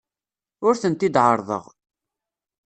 Ur tent-id-ɛerrḍeɣ.